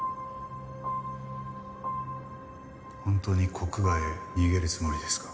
本当に国外へ逃げるつもりですか？